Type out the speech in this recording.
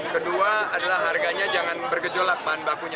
kedua adalah harganya jangan bergejolak bahan bakunya